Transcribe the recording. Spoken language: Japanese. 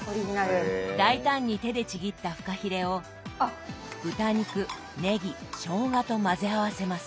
大胆に手でちぎったフカヒレを豚肉ねぎしょうがと混ぜ合わせます。